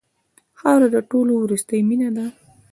خاوره د ټولو وروستۍ مینه ده.